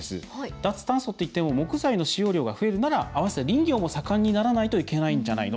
脱炭素っていっても木造の使用量が増えるなら併せて林業も盛んにならないといけないんじゃないの。